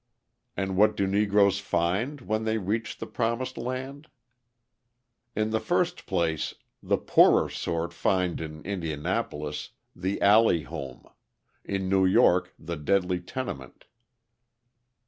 And what do Negroes find when they reach the promised land? In the first place the poorer sort find in Indianapolis the alley home, in New York the deadly tenement.